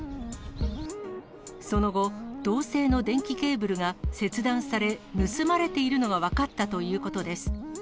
その後、銅製の電気ケーブルが切断され、盗まれているのが分かったということです。